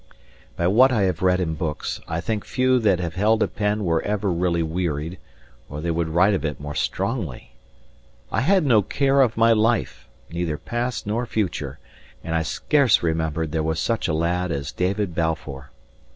By what I have read in books, I think few that have held a pen were ever really wearied, or they would write of it more strongly. I had no care of my life, neither past nor future, and I scarce remembered there was such a lad as David Balfour.